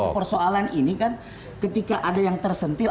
jadi persoalan ini kan ketika ada yang tersentil